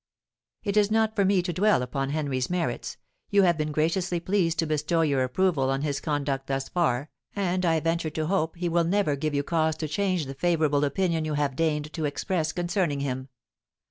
"It is not for me to dwell upon Henry's merits, you have been graciously pleased to bestow your approval on his conduct thus far, and I venture to hope he will never give you cause to change the favourable opinion you have deigned to express concerning him.